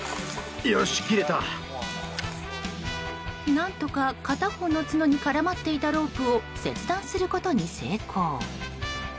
何とか片方の角に絡まっていたロープを切断することに成功。